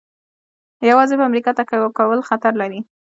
یوازې په امریکا تکیه کول خطر لري.